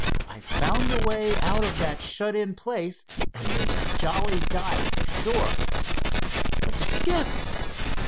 I found a way out of that shut in place and made a jolly dive for shore." "But the skiff?"